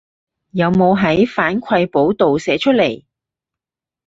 有冇喺反饋簿度寫出來